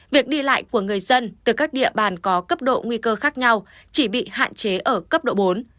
việc đi lại của người dân từ các địa bàn có cấp độ nguy cơ khác nhau chỉ bị hạn chế ở cấp độ bốn